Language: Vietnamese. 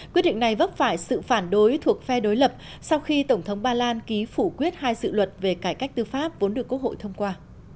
quyết định này vấp phải sự phản đối thuộc phe đối lập sau khi tổng thống ba lan ký phủ quyết hai dự luật về cải cách tư pháp vốn được quốc hội thông qua